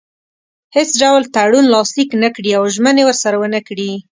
هیڅ ډول تړون لاسلیک نه کړي او ژمنې ورسره ونه کړي.